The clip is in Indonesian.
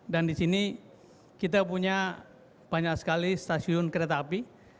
dan di sini kita punya banyak sekali stasiun kereta api